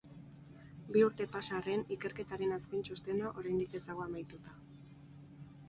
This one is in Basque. Bi urte pasa arren, ikerketaren azken txostena oraindik ez dago amaituta.